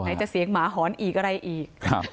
ไหนจะเสียงหมาหอนอีกอะไรอีก